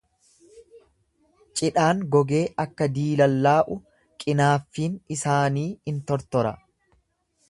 Cidhaan gogee akka diilallaa'u qinaaffiin isaanii in tortora.